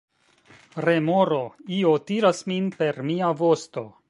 Remoro: "Io tiras min per mia vosto."